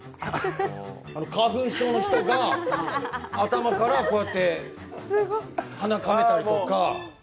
花粉症の人が頭からこうやって、鼻かんだりとか。